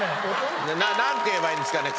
なんて言えばいいんですかね。